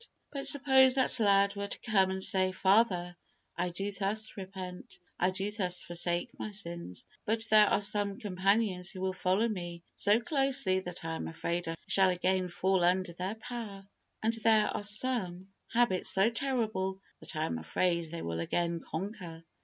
But suppose that lad were to come and say, "Father, I do thus repent; I do thus forsake my sins; but there are some companions who will follow me so closely that I am afraid I shall again fall under their power, and there are some habits so terrible that I am afraid they will again conquer.